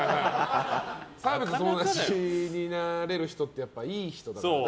澤部と友達になれる人ってやっぱりいい人。